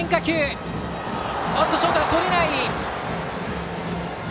ショートがとれない。